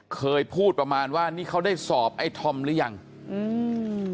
เคยพูดประมาณว่านี่เขาได้สอบไอ้ธอมหรือยังอืม